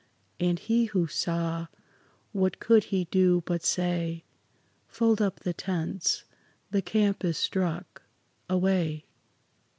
And he who saw, what could he do but say, "Fold up the tents; the camp is struck; away!